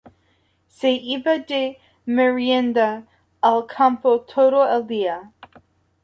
Se iba de merienda al campo todo el día.